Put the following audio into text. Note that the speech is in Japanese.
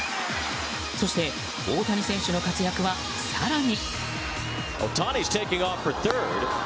そして、大谷選手の活躍は更に。